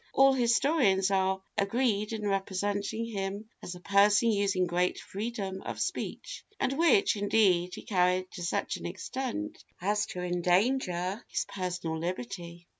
All historians are agreed in representing him as a person using 'great freedom of speach,' and which, indeed, he carried to such an extent as to endanger his personal liberty.